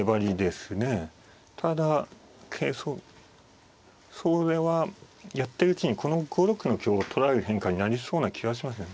ただそれはやってるうちにこの５六の香を取られる変化になりそうな気がしますね。